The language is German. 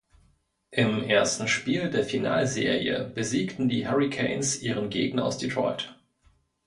Im ersten Spiel der Final-Serie besiegten die Hurricanes ihren Gegner aus Detroit.